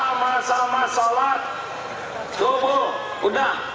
sama sama shalat tubuh udah